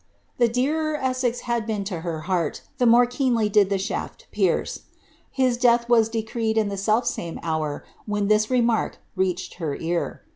The dearer Essex had been to her heart, the more keenly did the shaA pierce. His death was decreed in the self same boor when this remark reached her ear.